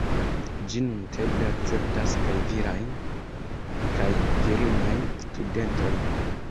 Ĝi nuntempe akceptas kaj virajn kaj virinajn studentojn.